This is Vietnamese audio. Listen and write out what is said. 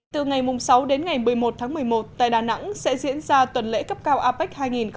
từ ngày sáu đến ngày một mươi một tháng một mươi một tại đà nẵng sẽ diễn ra tuần lễ cấp cao apec hai nghìn hai mươi